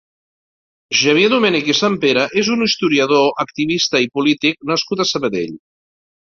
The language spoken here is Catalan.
Xavier Domènech i Sampere és un historiador, activista i polític nascut a Sabadell.